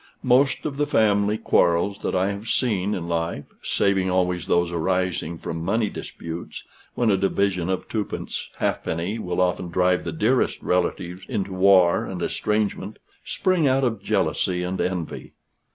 Most of the family quarrels that I have seen in life (saving always those arising from money disputes, when a division of twopence halfpenny will often drive the dearest relatives into war and estrangement,) spring out of jealousy and envy.